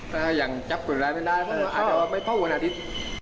ถ้าอย่างจับคนร้ายไม่ได้อาจจะไปพ่อวนอาทิตย์